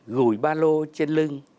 gùi ba lô trên lưng